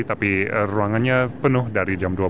tapi ruangannya penuh dari jam dua belas